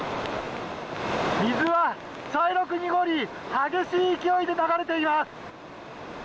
水は茶色く濁り激しい勢いで流れています。